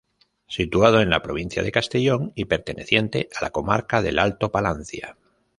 Situado en la provincia de Castellón y perteneciente a la comarca del Alto Palancia.